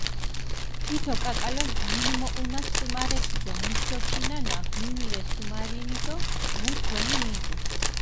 თითო კაკალო მინმოჸუნა სუმარეფი დო მჷთიოშინანა, მინი რე სუმარინი დო მუ ძღვენი მიღუნი.